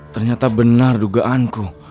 ternyata benar dugaanku